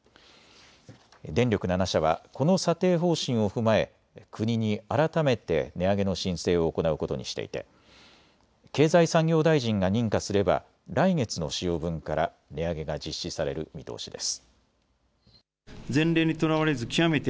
電力７社はこの査定方針を踏まえ国に改めて値上げの申請を行うことにしていて経済産業大臣が認可すれば来月の使用分から値上げが実施される見通しです。